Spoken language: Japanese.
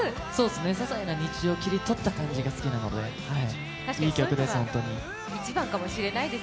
ささいな日常を切り取った形が好きなので、いい曲です。